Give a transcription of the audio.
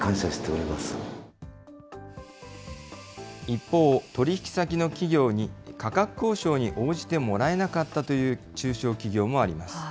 一方、取り引き先の企業に価格交渉に応じてもらえなかったという中小企業もあります。